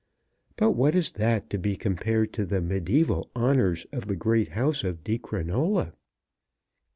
But what is that to be compared to the mediæval honours of the _great House of Di Crinola?